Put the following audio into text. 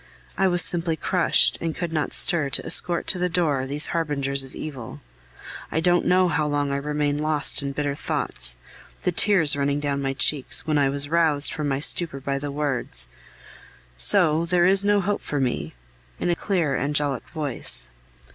I was simply crushed, and could not stir to escort to the door these harbingers of evil. I don't know how long I remained lost in bitter thoughts, the tears running down my cheeks, when I was roused from my stupor by the words: "So there is no hope for me!" in a clear, angelic voice.